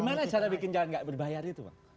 gimana cara bikin jalan gak berbayar itu pak